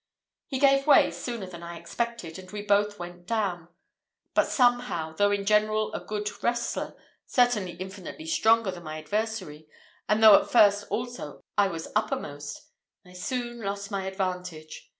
He gave way sooner than I had expected, and we both went down; but somehow, though in general a good wrestler, certainly infinitely stronger than my adversary, and though at first also I was uppermost, I soon lost my advantage.